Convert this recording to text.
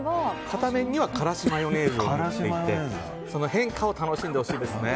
片面にはからしマヨネーズでその変化を楽しんでほしいですね。